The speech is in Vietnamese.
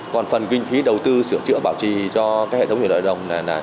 còn phần kinh phí đầu tư sửa chữa bảo trì cho hệ thống thủy lợi đồng